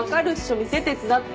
店手伝ってんの。